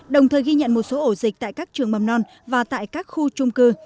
đồng thời ghi nhận một số ổ dịch tại các trường mầm non và tại các khu trung cư